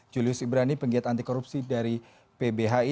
julius ibrani penggiat anti korupsi dari pbhi